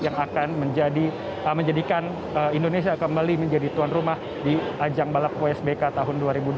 yang akan menjadikan indonesia kembali menjadi tuan rumah di ajang balap wsbk tahun dua ribu dua puluh